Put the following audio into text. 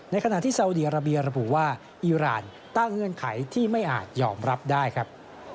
ขณะที่ซาวดีอาราเบียระบุว่าอีรานตั้งเงื่อนไขที่ไม่อาจยอมรับได้ครับ